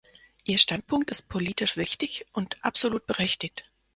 Ihr Standpunkt ist politisch wichtig und absolut berechtigt.